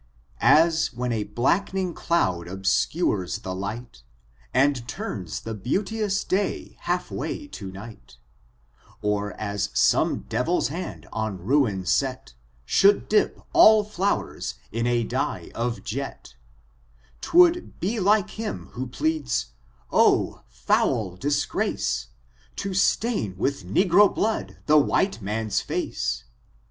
As when a black'ning clond obscnres the light. And tarns the beanteons day half way to night * Or as some deviPt hand on min set. Should dip «U flowers ia a dye of jet : 'Twould be like him who pleads, oh, foal disgrace, To stain with n/egro blood the white man's fiics!